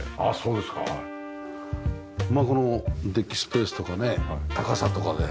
まあこのデッキスペースとかね高さとかで。